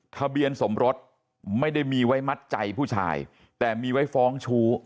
ทะเบียนสมรสไม่ได้มีไว้มัดใจผู้ชายแต่มีไว้ฟ้องชู้